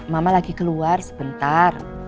mama lagi keluar sebentar